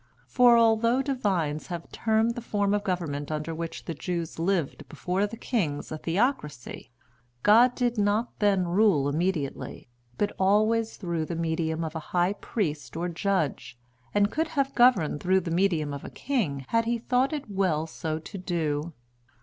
For although divines have termed the form of government under which the Jews lived before the kings a theocracy, God did not then rule immediately, but always through the medium of a high priest or judge, and could have governed through the medium of a king had he thought it well so to do.